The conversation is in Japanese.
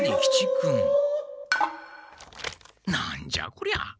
何じゃこりゃ？